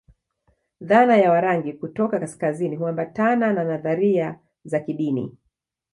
Dhana ya Warangi kutoka kaskazini huambatana na nadharia za kidini